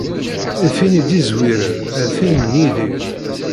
Tin i d-izewwiren d tin n Yidir.